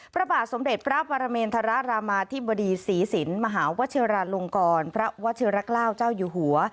พระบาทสมเด็จพระปรเมนธรารามาธิบดีศรีศิลป์มหาวชิราลงกรพระวัชิรกล้าเจ้าอยู่หัว